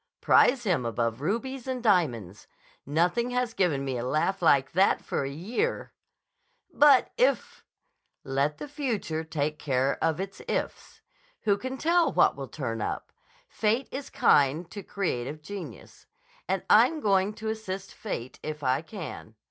Prize him above rubies and diamonds. Nothing has given me a laugh like that for a year." "But if—" "Let the future take care of its ifs. Who can tell what will turn up? Fate is kind to creative genius. And I'm going to assist Fate if I can.